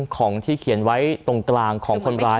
ของที่เขียนไว้ตรงกลางของคนร้าย